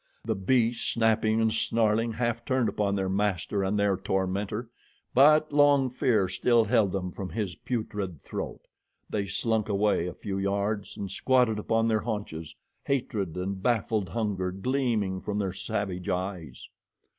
The beasts, snapping and snarling, half turned upon their master and their tormentor, but long fear still held them from his putrid throat. They slunk away a few yards and squatted upon their haunches, hatred and baffled hunger gleaming from their savage eyes.